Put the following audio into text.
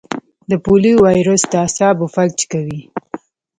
د پولیو وایرس د اعصابو فلج کوي.